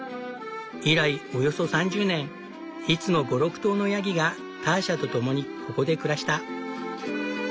以来およそ３０年いつも５６頭のヤギがターシャと共にここで暮らした。